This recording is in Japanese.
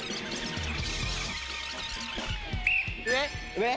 上。